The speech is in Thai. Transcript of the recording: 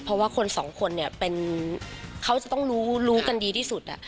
เพราะว่าคนสองคนเนี่ยเขาจะต้องรู้รู้กันดีที่สุด